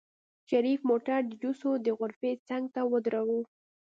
شريف موټر د جوسو د غرفې څنګ ته ودروه.